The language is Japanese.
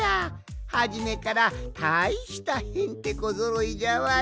はじめからたいしたへんてこぞろいじゃわい！